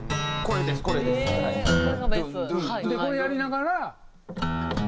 これやりながら。